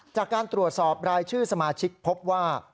จากการตรวจสอบรายชื่อสมาชิกพบว่า